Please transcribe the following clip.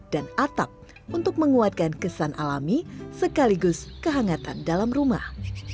dan atap untuk menguatkan kesan alami sekaligus kehangatan dalam rumah